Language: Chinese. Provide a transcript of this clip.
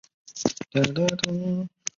麓川思氏的势力范围。